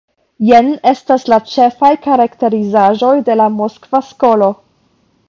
Jen estas la ĉefaj karakterizaĵoj de la Moskva skolo.